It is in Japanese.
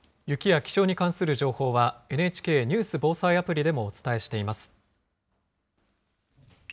雪や気象に関する情報は、ＮＨＫニュース・防災アプリでもお伝えしています。